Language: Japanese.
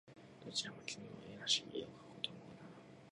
どうだ君も画らしい画をかこうと思うならちと写生をしたら